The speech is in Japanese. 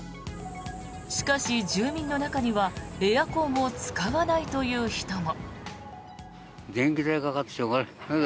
しかし、住民の中にはエアコンを使わないという人も。